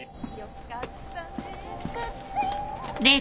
よかったよ